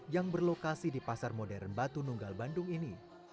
yang berlokasi di pasar modern batu nunggal bandung ini